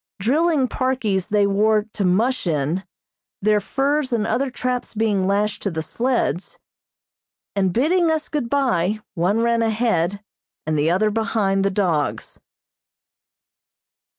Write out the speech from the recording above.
Drilling parkies they wore to "mush" in, their furs and other traps being lashed to the sleds; and bidding us good bye, one ran ahead, and the other behind the dogs.